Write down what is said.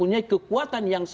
untuk memberlanggan nanis